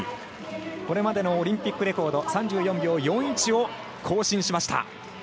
これまでのオリンピックレコード３４秒４１を更新しました。